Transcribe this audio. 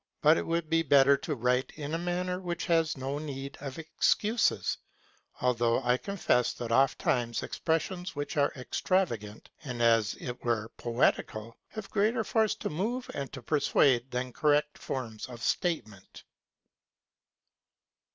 But it would be better to write in a manner that has no need of excuses: although I confess that oft times expressions which are extravagant, and as it were poetical, have greater force to move and to persuade than correct forms of statement.